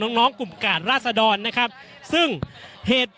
อย่างที่บอกไปว่าเรายังยึดในเรื่องของข้อ